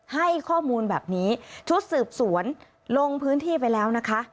ให้ข้อมูลแบบนี้ชุดสืบสวนลงพื้นที่ไปแล้วนะคะ